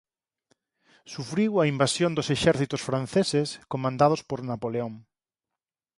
Sufriu a invasión dos exércitos franceses comandados por Napoleón.